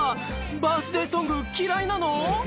バースデーソング嫌いなの？